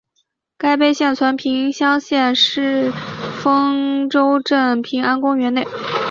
该碑现存平乡县丰州镇平安公园内。